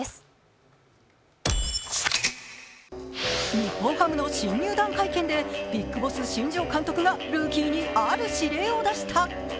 日本ハムの新入団会見でビッグボス・新庄監督がルーキーにある指令を出した。